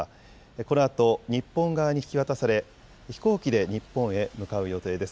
このあと日本側に引き渡され飛行機で日本へ向かう予定です。